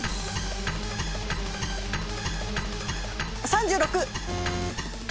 ３６。